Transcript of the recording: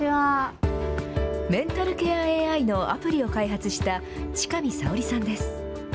メンタルケアＡＩのアプリを開発した千頭沙織さんです。